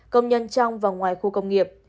công nhân trong và ngoài khu công nghiệp